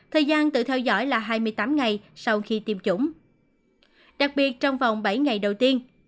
thời gian tự theo dõi là hai mươi tám ngày sau khi tiêm chủng đặc biệt trong vòng bảy ngày đầu tiên